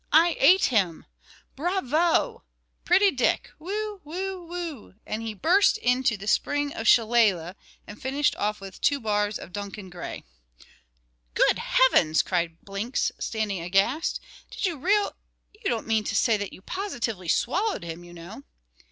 "I ate him bravo! Pretty Dick, whew, whew, whew;" and he burst into the "Sprig of Shillelah" and finished off with two bars of "Duncan Gray." "Good heavens!" cried Blinks, standing aghast, "did you real you don't mean to say that you positively swallowed him, you know?"